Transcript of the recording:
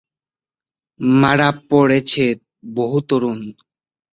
মারা পড়ছে বহু তরুণ।